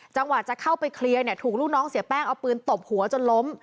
จังหวะจะเข้าไปเคลียร์เนี่ยถูกลูกน้องเสียแป้งเอาปืนตบหัวจนล้ม